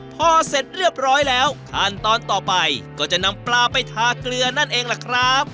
พอเสร็จเรียบร้อยแล้วขั้นตอนต่อไปก็จะนำปลาไปทาเกลือนั่นเองล่ะครับ